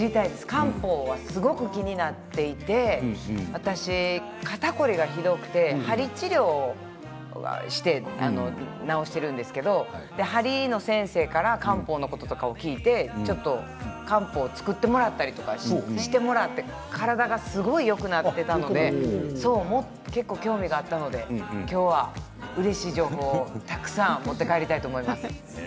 漢方はすごく気になっていて肩こりがひどくてはり治療をして治しているんですけれどはりの先生から漢方のことを聞いて漢方を作ってもらったりとかして体がすごくよくなっていたので結構、興味があったのできょうはうれしい情報をたくさん持って帰りたいと思います。